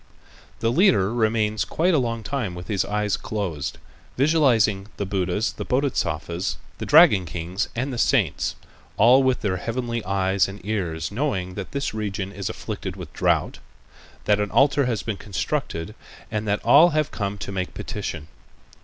The leader remains quiet a long time with his eyes closed, visualizing the Buddhas, the Bodhisattvas, the dragon kings, and the saints, all with their heavenly eyes and ears knowing that this region is afflicted with drought, that an altar has been constructed and that all have come to make petition.